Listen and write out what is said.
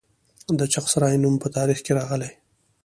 د چغسرای نوم په تاریخ کې راغلی